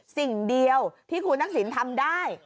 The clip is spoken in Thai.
สิ่งเดียวที่คุณทักษิณทำได้